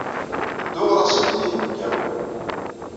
Ddu ɣer-asen-d i yinebgawen!